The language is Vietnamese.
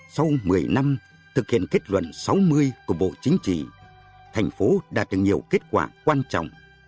sau một mươi năm thực hiện kết luận sáu mươi của bộ chính trị thành phố đạt được nhiều kết quả quan trọng